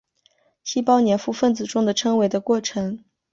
细胞黏附分子中的称为的过程。